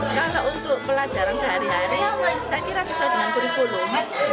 kalau untuk pelajaran sehari hari saya kira sesuai dengan kurikulum